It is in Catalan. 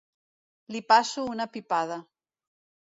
Li passo una pipada.